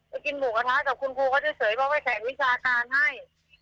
ไปกินหมูกระท้ากับคุณครูเขาจะเสยบอกว่าให้แข่งวิชาการให้